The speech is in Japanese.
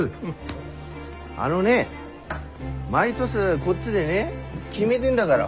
あのね毎年こっちでね決めてんだがら。